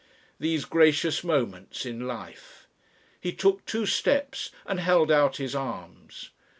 These gracious moments in life! He took two steps and held out his arms.